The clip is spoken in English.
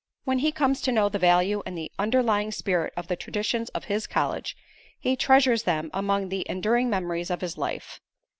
When he comes to know the value and the underlying spirit of the traditions of his college, he treasures them among the enduring memories of his life.